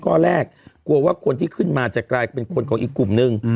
ข้อแรกกลัวว่าคนที่ขึ้นมาจะกลายเป็นคนของอีกกลุ่มนึง